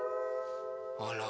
あら。